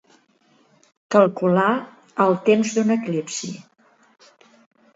Calcular el temps d'un eclipsi.